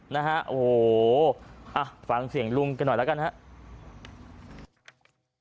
นะฮะโอ้โหอ่ะฟังเสียงลุงกันหน่อยแล้วกันครับ